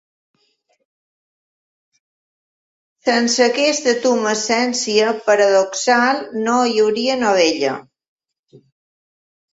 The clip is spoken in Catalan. Sense aquesta tumescència paradoxal no hi hauria novella.